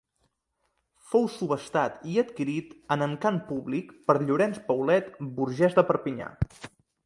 Fou subhastat i adquirit en encant públic per Llorenç Paulet, burgès de Perpinyà.